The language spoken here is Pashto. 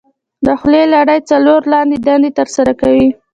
د خولې لاړې څلور لاندې دندې تر سره کوي.